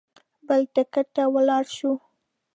بل ټکټ ته ولاړ شو.